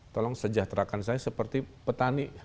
tolong sejahterakan saya seperti petani